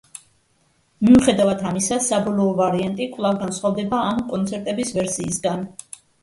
მიუხედავად ამისა, საბოლოო ვარიანტი კვლავ განსხვავდება ამ კონცერტების ვერსიისგან.